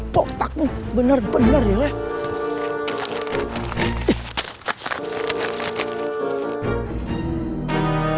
botakmu bener bener ya weh